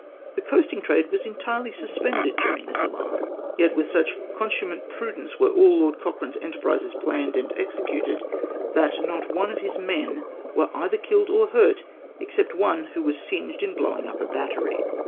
The coasting trade was entirely suspended during this alarm ; VOL. I. Y 822 OFFICIAL GEATm^DE. yet with such consummate prudence were all Lord Cochrane's enterprises planned and executed, that not one of his onen were either killed or hurt, except one, who was singed in blowing up a battery."